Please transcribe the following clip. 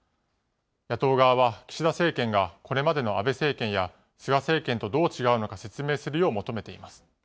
野党側は、岸田政権がこれまでの安倍政権や菅政権とどう違うのか説明するよう求めています。